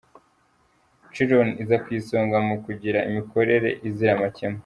Chiron iza ku isonga mu kugira imikorere izira amakemwa.